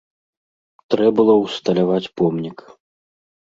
Трэ было ўсталяваць помнік.